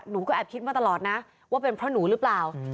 หนูก็แอบคิดมาตลอดนะว่าเป็นเพราะหนูหรือเปล่า